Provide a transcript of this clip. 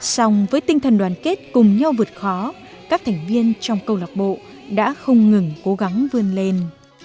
xong với tinh thần đoàn kết cùng nhau vượt khó các thành viên trong câu lạc bộ đã không ngừng cố gắng vươn lên